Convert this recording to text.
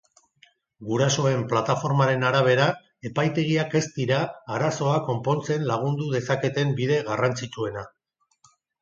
Gurasoen plataformaren arabera, epaitegiak ez dira arazoa konpontzen lagundu dezaketen bide garrantzitsuena.